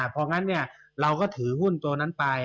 พองั้นเราก็ถือหุ้นตัวนั้นไป